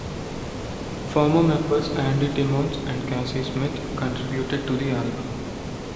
Former members Andy Timmons and Kasey Smith contributed to the album.